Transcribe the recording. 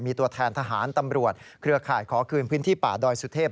มีตัวแทนทหารตำรวจเครือข่ายขอคืนพื้นที่ป่าดอยสุเทพ